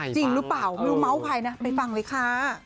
จริงหรือเปล่าไม่รู้เมาส์ใครนะไปฟังเลยค่ะ